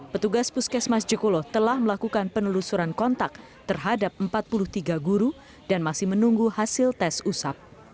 petugas puskesmas cikulo telah melakukan penelusuran kontak terhadap empat puluh tiga guru dan masih menunggu hasil tes usap